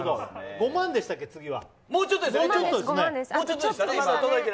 ５万でしたっけ、次は？